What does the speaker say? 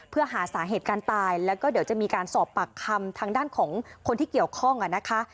เพื่อหาสาเหตุการตายแล้วก็เดี๋ยวจะมีการสอบปากคำทางด้านของคนที่เกี่ยวข้องอ่ะนะคะ